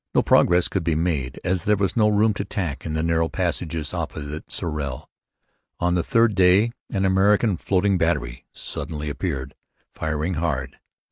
No progress could be made as there was no room to tack in the narrow passages opposite Sorel. On the third day an American floating battery suddenly appeared, firing hard.